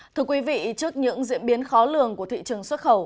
thưa quý vị trước những diễn biến khó lường của thị trường xuất khẩu